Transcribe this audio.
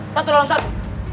satu dalam satu